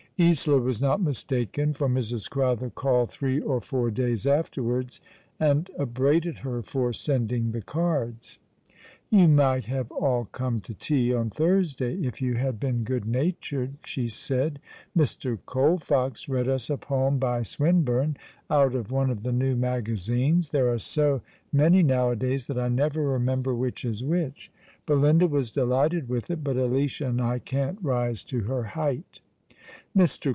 Isola was not mistaken, for Mrs. Crowther called three or four days afterwards and upbraided her for sending the cards. 126 All along the Paver, " You might liavo all come to tea on Tlmrsclay, if you had been good natured," she said. " Mr. Colfox read us a poem by Swinburne, out of one of the new magazines — there are so many nowadays that I never remember which is which. Belinda was delighted with it — but Alicia and I can't rise to her height. Mr.